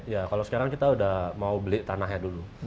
ya kalau sekarang kita udah mau beli tanahnya dulu